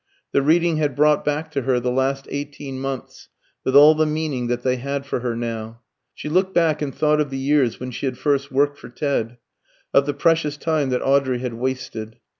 The reading had brought back to her the last eighteen months, with all the meaning that they had for her now. She looked back and thought of the years when she had first worked for Ted, of the precious time that Audrey had wasted.